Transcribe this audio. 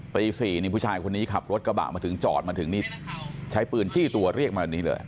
ตี๔นี่ผู้ชายคนนี้ขับรถกระบะมาถึงจอดมาถึงนี่ใช้ปืนจี้ตัวเรียกมาแบบนี้เลย